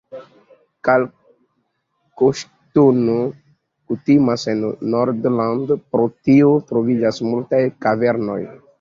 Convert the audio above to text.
Kalkoŝtono kutimas en Nordland, pro tio troviĝas multaj kavernoj.